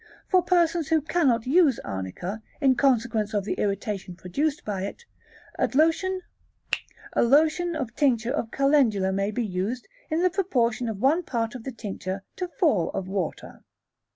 For persons who cannot use Arnica, in consequence of the irritation produced by it, a lotion of tincture of Calendula may be used in the proportion of one part of the tincture to four of water.